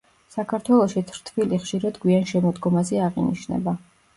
საქართველოში თრთვილი ხშირად გვიან შემოდგომაზე აღინიშნება.